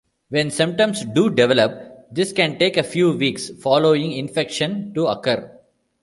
When symptoms do develop this can take a few weeks following infection to occur.